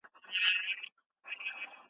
ډاکټر د درملو مناسب استعمال توصیه کوي.